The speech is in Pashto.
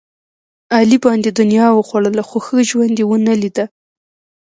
علي باندې دنیا وخوړله، خو ښه ژوند یې ونه لیدا.